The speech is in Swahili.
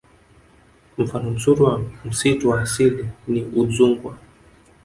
Mfano mzuri wa msitu wa asili ni udzungwa